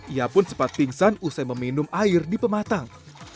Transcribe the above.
ia pun sempat pingsan usai meminum air di pematang